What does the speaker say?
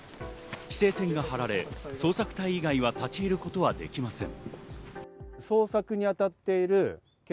規制線が張られ、捜索隊以外は立ち入ることはできません。